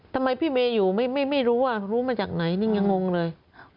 ทำไมพี่เมย์อยู่ไม่รู้ว่ารู้มาจากไหนนี่ยังงงเลย